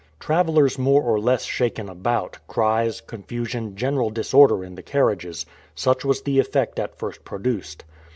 Travelers more or less shaken about, cries, confusion, general disorder in the carriages such was the effect at first produced.